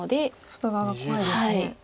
外側が怖いですね。